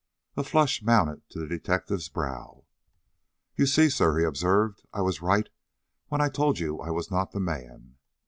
A flush mounted to the detective's brow. "You see, sir," he observed, "I was right when I told you I was not the man."